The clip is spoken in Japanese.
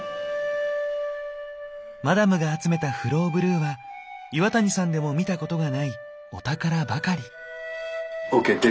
マダムが集めたフローブルーは岩谷さんでも見たことがないお宝ばかり。